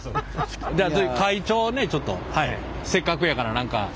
じゃあ次会長ねちょっとせっかくやから何か。